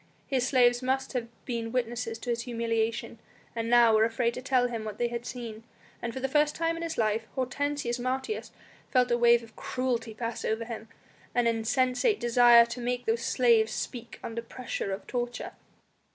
His slaves must have been witnesses to his humiliation, and now were afraid to tell him what they had seen; and for the first time in his life Hortensius Martius felt a wave of cruelty pass over him, in an insensate desire to make the slaves speak under pressure of torture.